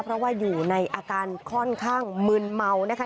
เพราะว่าอยู่ในอาการค่อนข้างมึนเมานะคะ